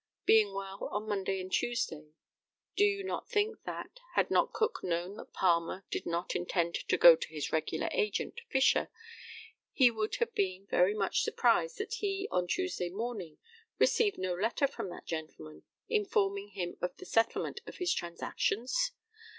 Being well on Monday and Tuesday, do not you think that, had not Cook known that Palmer did not intend to go to his regular agent, Fisher, he would have been very much surprised that he on Tuesday morning received no letter from that gentleman, informing him of the settlement of his transactions?